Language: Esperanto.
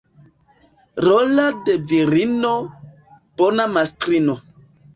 Rola de virino — bona mastrino.